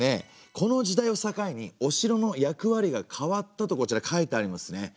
この時代を境にお城の役割が変わったとこちら書いてありますね。